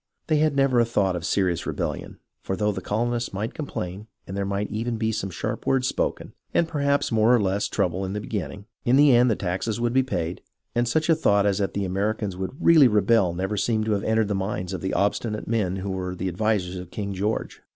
They had never a thought of serious rebellion ; for though the colonists might complain and there might even be some sharp words spoken, and perhaps more or less trouble in the beginning, in the end the taxes would be paid, and such a thought as that the Americans would really rebel never seemed to have entered the minds of the obstinate men who were the advisers of King George.